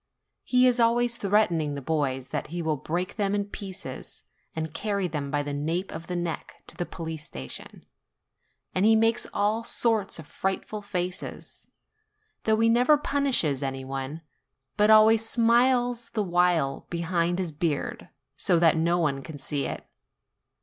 He is always threatening the boys that he will break them in pieces and carry them by the nape of the neck to the police THE PRINCIPAL 39 station; and he makes all sorts of frightful faces; though he never punishes any one, but always smiles the while behind his beard, so that no one can see it.